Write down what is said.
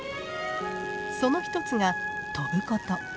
その一つが飛ぶこと。